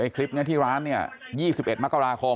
คลิปนี้ที่ร้าน๒๑มกราคม